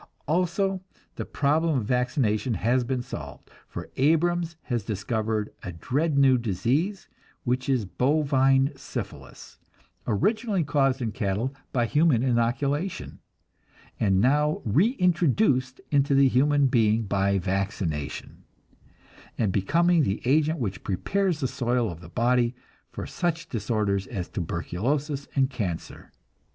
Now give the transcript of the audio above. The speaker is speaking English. Also the problem of vaccination has been solved for Abrams has discovered a dread new disease, which is bovine syphilis, originally caused in cattle by human inoculation, and now reintroduced in the human being by vaccination, and becoming the agent which prepares the soil of the body for such disorders as tuberculosis and cancer.